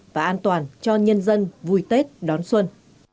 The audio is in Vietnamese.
và an toàn cho nhân dân vui tết đón xuân